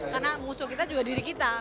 karena musuh kita juga diri kita